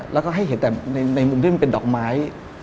แล้วก็ให้เห็นแต่ในมุมที่มันเป็นดอกไม้